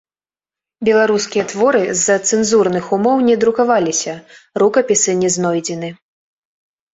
Беларускія творы з-за цэнзурных умоў не друкаваліся, рукапісы не знойдзены.